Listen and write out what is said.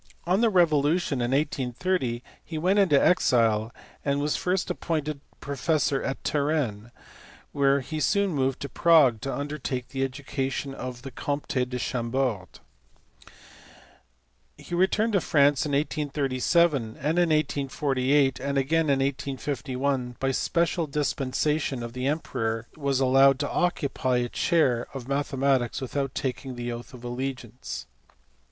On the revolution in 1830 he went into exile, and was first appointed professor at Turin, whence he soon moved to Prague to undertake the education of the Comte de Chambord. He returned to France in 1837 ; and in 1848, and again in 1851, by special dispensation of the emperor was allowed to occupy a chair of mathematics without taking the oath of allegiance.